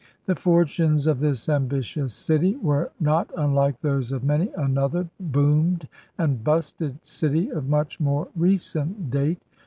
The fortunes of this ambitious city were not unlike those of many another 'boomed* and 'busted' city of much more recent date.